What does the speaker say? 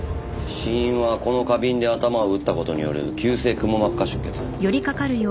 死因はこの花瓶で頭を打った事による急性くも膜下出血。